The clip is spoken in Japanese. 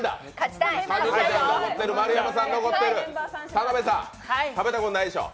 田辺さん、食べたことないでしょう？